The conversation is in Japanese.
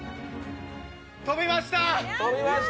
飛びました。